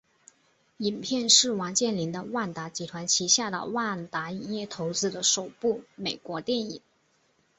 影片是王健林的万达集团旗下的万达影业投资的首部美国电影。